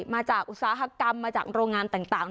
อุตสาหกรรมมาจากโรงงานต่าง